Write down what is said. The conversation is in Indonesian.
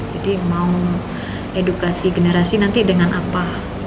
jadi mau edukasi generasi nanti dengan apa